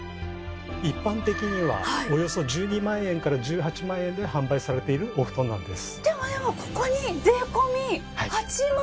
一般的にはおよそ１２万円から１８万円で販売されているお布団なんです。